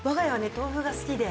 豆腐が好きで。